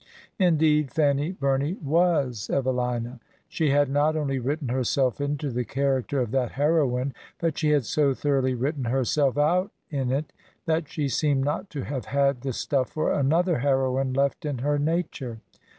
Indeed, Fanny Bumey teas EveHna. She had not only written herself into the character of that heroine, but she had so thor oughly written herself out in it, that she seemed not to have had the stuff for another heroine left in her nature.